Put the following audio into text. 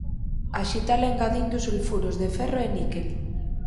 Axitala engadindo sulfuros de ferro e níquel.